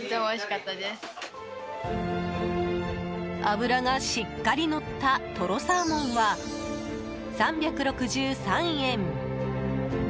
脂がしっかりのったとろサーモンは、３６３円。